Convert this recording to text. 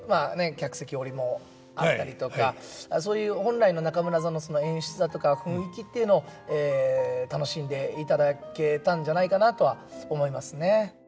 客席下りもあったりとかそういう本来の中村座の演出だとか雰囲気っていうのを楽しんでいただけたんじゃないかなとは思いますね。